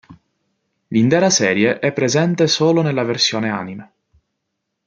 L'intera serie è presente solo nella versione anime.